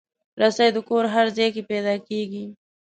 رسۍ د کور هر ځای کې پیدا کېږي.